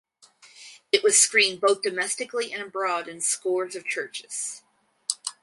It was screened both domestically and abroad in scores of churches.